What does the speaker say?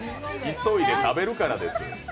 急いで食べるからですよ。